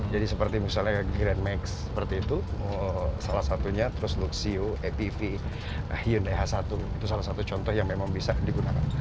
jadi seperti grand max luxio mpv hyundai h satu itu salah satu contoh yang memang bisa digunakan